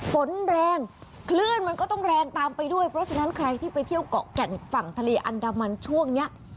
ฝนแรงคลื่นมันก็ต้องแรงตามไปด้วยเพราะฉะนั้นใครที่ไปเที่ยวเกาะแก่งฝั่งทะเลอันดามันช่วงนี้